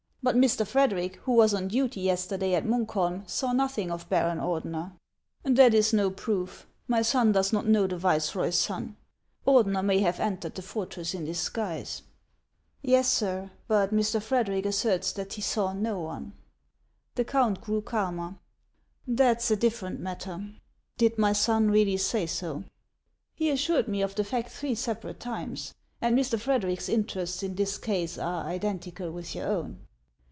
But Mr. Frederic, who was on duty yesterday at Munkholm, saw nothing of Baron Ordener." •' That 's no proof ! My son does not know the vice roy's son. Ordener may have entered the fortress in disguise." HANS OF ICELAND. 169 " Yes, sir ; but Mr. Frederic asserts that lie saw no one." The count grew calmer. " That 's a different matter. Did my son really say so ?"" He assured me of the fact three separate times ; and Mr. Frederic's interests in this case are identical with your own."